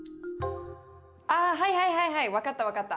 ああはいはいはいはい分かった分かった！